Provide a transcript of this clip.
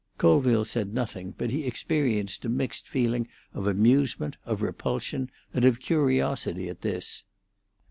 Colville said nothing, but he experienced a mixed feeling of amusement, of repulsion, and of curiosity at this.